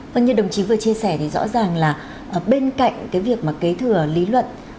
vâng như đồng chí vừa chia sẻ thì rõ ràng là bên cạnh cái việc mà kế thừa lý luận